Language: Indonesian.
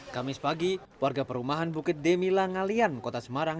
kamis pagi warga perumahan bukit demi langalian kota semarang